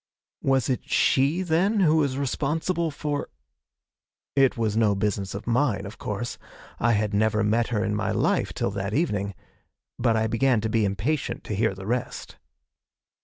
Was it she, then, who was responsible for ? It was no business of mine, of course; I had never met her in my life till that evening but I began to be impatient to hear the rest.